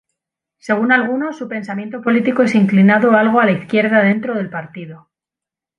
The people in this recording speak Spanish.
Según algunos, su pensamiento político es inclinado algo a la izquierda dentro del partido.